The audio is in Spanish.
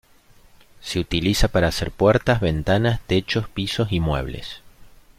Se utiliza para hacer puertas, ventanas, techos, pisos y muebles.